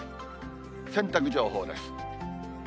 洗濯情報です。